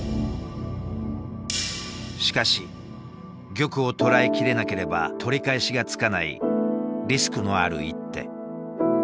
しかし玉をとらえ切れなければ取り返しがつかないリスクのある一手。